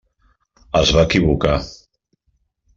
Es va equivocar.